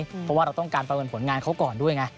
เพราะว่าเราต้องการประเมินผลงานเขาก่อนด้วยไง